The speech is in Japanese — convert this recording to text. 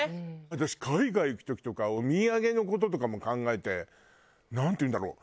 私海外行く時とかお土産の事とかも考えてなんていうんだろう？